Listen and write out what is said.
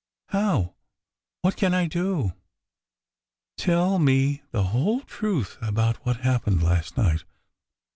"How? What can I do?" "Tell me the whole truth about what happened last night.